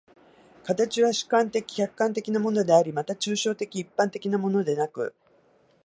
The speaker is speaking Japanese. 形は主観的・客観的なものであり、また抽象的一般的なものでなく、